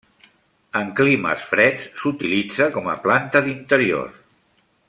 En climes freds s'utilitza com a planta d'interior.